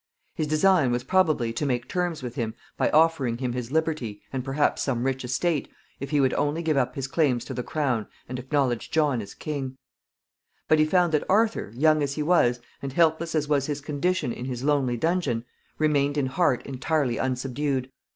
His design was probably to make terms with him by offering him his liberty, and perhaps some rich estate, if he would only give up his claims to the crown and acknowledge John as king; but he found that Arthur, young as he was, and helpless as was his condition in his lonely dungeon, remained in heart entirely unsubdued.